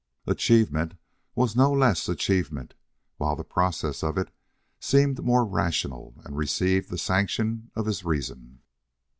Achievement was no less achievement, while the process of it seemed more rational and received the sanction of his reason.